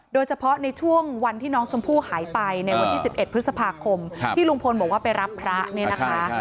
โดยเฉพาะในช่วงวันที่น้องชมพู่หายไปในวันที่๑๑พฤษภาคมที่ลุงพลบอกว่าไปรับพระเนี่ยนะคะ